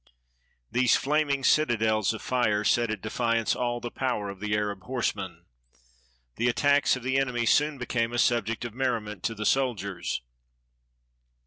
These flaming citadels of fire set at defiance all the power of the Arab horsemen. The attacks of the enemy soon became a subject of merri ment to the soldiers.